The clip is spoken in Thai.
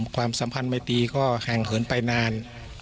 ความสัมพันธ์ไมตีก็ห่างเหินไปนาน